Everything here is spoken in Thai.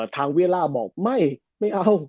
เวลาบอกไม่ไม่เอา